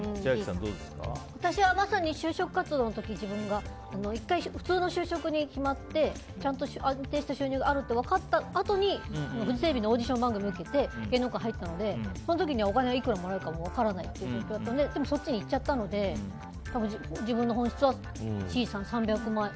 私はまさに就職活動の時１回、普通の就職に決まってちゃんと安定した収入があるって分かったあとにフジテレビのオーディション番組受けて芸能界に入ったのでその時にはお金はいくらもらえるか分からないけどでもそっちにいっちゃったので自分の本質はＣさん、３００万円。